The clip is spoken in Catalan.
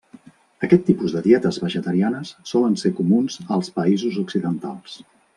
Aquest tipus de dietes vegetarianes solen ser comuns als països occidentals.